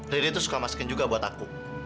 riri juga suka masakan ini untukku